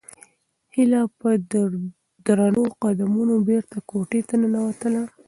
هیله په درنو قدمونو بېرته کوټې ته ننووتله.